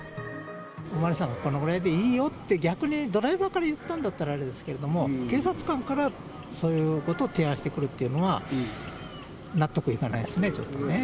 お巡りさん、このくらいでいいよって、逆にドライバーから言ったんだったら、あれですけども、警察官から、そういうことを提案してくるっていうのは、納得いかないですね、ちょっとね。